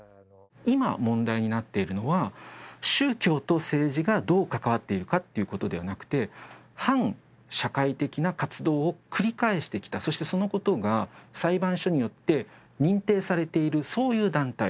今問題になっているのは、宗教と政治がどう関わっているかということではなくて反社会的な活動を繰り返した北そのことが裁判所によって認定されている、そういう団体。